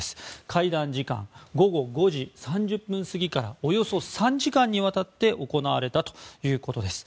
会談時間午後５時３０分過ぎからおよそ３時間にわたって行われたということです。